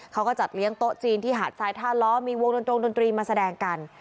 เขาก็จัดเลี้ยงโต๊ะจีนที่หาดทรายท่าล้อมีวงดนตรงดนตรีมาแสดงกัน